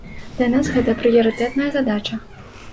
Для нас гэта прыярытэтная задача.